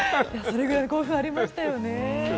それぐらい興奮がありましたよね。